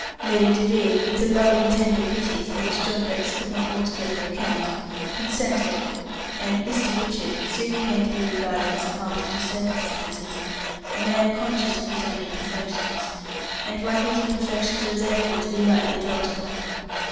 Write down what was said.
Lady Devine, with a loving tender pity, for which John Rex could not altogether account, consented, and "Mr. Richard" soon came to be regarded as a martyr to circumstances, a man conscious of his own imperfections, and one whose imperfections were therefore lightly dwelt upon.